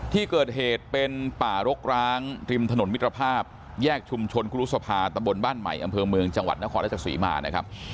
ที่เกิดเหตุเป็นป่ารกร้างริมถนนมิตรภาพแยกชุมชนคุรุษภาตำบลบ้านใหม่อำเภอเมืองจังหวัดนครราชศรีมานะครับ